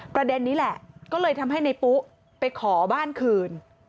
ประเด็นนี้แหละก็เลยทำให้ในปุ๊ไปขอบ้านคืน